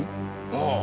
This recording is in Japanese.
ああ。